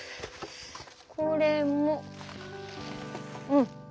これもうん。